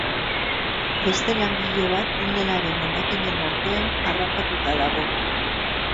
Beste langile bat tunelaren hondakinen artean harrapatuta dago.